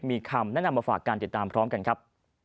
มีคำแนะนำมาฝากการติดตามพร้อมกันครับ